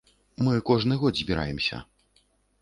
Мы кожны год збіраемся.